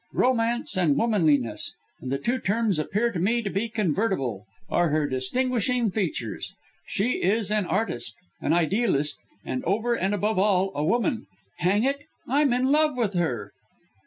'Romance' and 'womanliness,' and the two terms appear to me to be convertible, are her distinguishing features. She is an artist, an idealist, and, over and above all a woman! Hang it! I'm in love with her!"